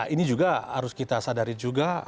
ini juga harus kita sadari juga